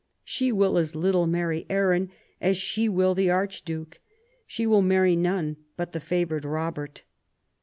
She will as little marry Arran as she will the Archduke; she will marry none but the favoured Robert."